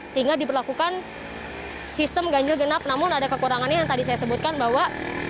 sehingga diperlakukan sistem ganjil genap namun ada kekurangannya yang tadi saya sebutkan bahwa